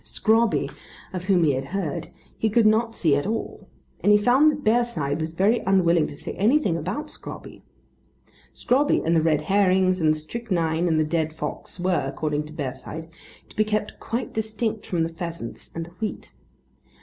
Scrobby, of whom he had heard, he could not see at all; and he found that Bearside was very unwilling to say anything about Scrobby. Scrobby, and the red herrings and the strychnine and the dead fox were, according to Bearside, to be kept quite distinct from the pheasants and the wheat.